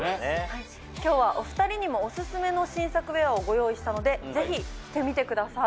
今日はお２人にもオススメの新作ウェアをご用意したのでぜひ着てみてください。